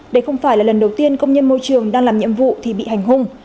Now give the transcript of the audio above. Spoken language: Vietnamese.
đây không phải là lần đầu tiên công nhân môi trường đang làm nhiệm vụ thì bị hành hung